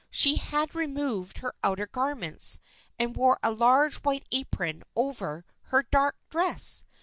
She had removed her outdoor garments and wore a large white apron over her dark dress.